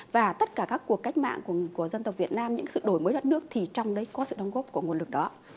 và tất cả các cuộc cách mạng của dân tộc việt nam những sự đổi mới đất nước thì trong đấy có sự đóng góp của nguồn lực đó